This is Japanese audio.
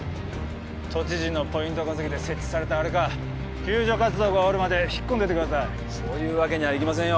都知事のポイント稼ぎで設置されたあれか救助活動が終わるまで引っ込んでてくださいそういうわけにはいきませんよ